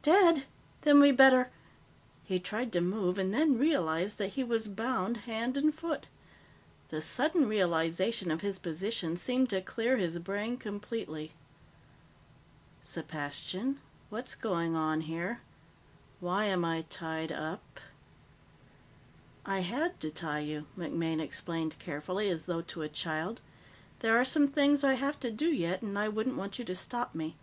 "Dead? Then we'd better " He tried to move and then realized that he was bound hand and foot. The sudden realization of his position seemed to clear his brain completely. "Sepastian, what's going on here? Why am I tied up?" "I had to tie you," MacMaine explained carefully, as though to a child. "There are some things I have to do yet, and I wouldn't want you to stop me.